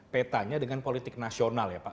petanya dengan politik nasional ya pak